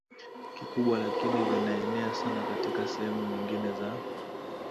kikubwa lakini vinaenea sana katika sehemu nyingine za